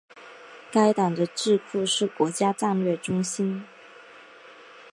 该党的智库是国家战略中心。